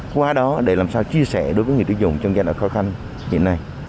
qua đó để làm sao chia sẻ đối với người tiêu dùng trong giai đoạn khó khăn hiện nay